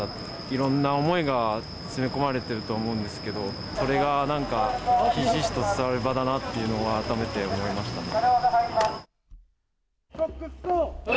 いろんな思いが詰め込まれてると思うんですけど、それがなんか、ひしひしと伝わる場だなと改めて思いましたね。